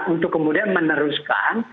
untuk kemudian meneruskan